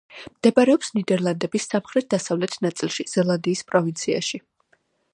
მდებარეობს ნიდერლანდების სამხრეთ-დასავლეთ ნაწილში, ზელანდიის პროვინციაში.